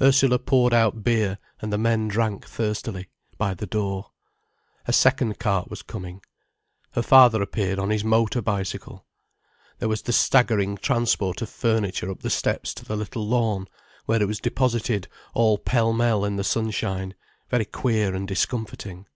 Ursula poured out beer, and the men drank thirstily, by the door. A second cart was coming. Her father appeared on his motor bicycle. There was the staggering transport of furniture up the steps to the little lawn, where it was deposited all pell mell in the sunshine, very queer and discomforting.